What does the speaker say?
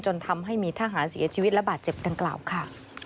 จนทำให้มีทหารเสียชีวิตและบาดเจ็บดังกล่าวค่ะ